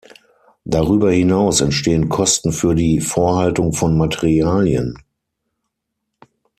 Darüber hinaus entstehen Kosten für die Vorhaltung von Materialien.